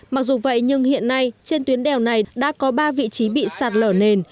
mặc dù vậy nhưng hiện nay trên tuyến đèo này đã có ba vị trí bị sạt lở nền